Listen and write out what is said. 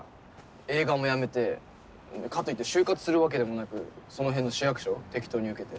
映画もやめてかといって就活するわけでもなくそのへんの市役所適当に受けて。